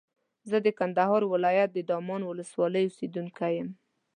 زه د کندهار ولایت د دامان ولسوالۍ اوسېدونکی یم.